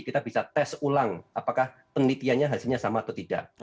kita bisa tes ulang apakah penelitiannya hasilnya sama atau tidak